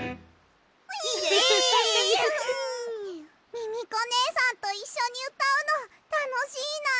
ミミコねえさんといっしょにうたうのたのしいな。